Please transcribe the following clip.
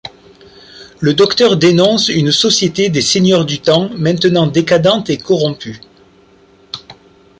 Le Docteur dénonce une société des seigneurs du temps maintenant décadente et corrompue.